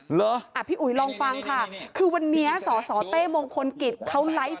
เหรออ่ะพี่อุ๋ยลองฟังค่ะคือวันนี้สสเต้มงคลกิจเขาไลฟ์